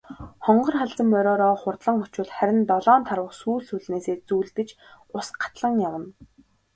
Хонгор халзан мориороо хурдлан очвол харин долоон тарвага сүүл сүүлнээсээ зүүлдэж ус гатлан явна.